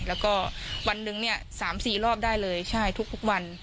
แล้วก็วันหนึ่งเนี่ย๓๔รอบได้เลยใช่ทุกวัน